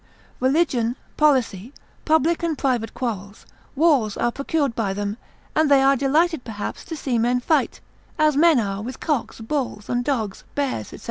Religion, policy, public and private quarrels, wars are procured by them, and they are delighted perhaps to see men fight, as men are with cocks, bulls and dogs, bears, &c.